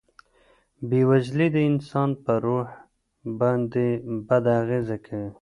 بېوزلي د انسان په روحیه باندې بد اغېز کوي.